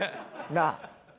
なあ。